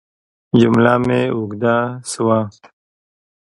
جمله مې اوږده شوه.